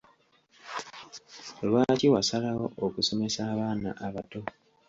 Lwaki wasalawo okusomesa abaana abato?